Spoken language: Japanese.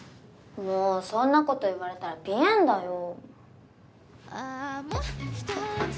もうそんなこと言われたらぴえんだよ。